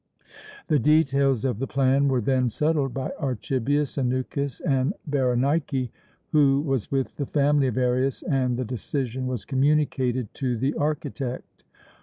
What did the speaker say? The details of the plan were then settled by Archibius, Anukis, and Berenike, who was with the family of Arius, and the decision was communicated to the architect.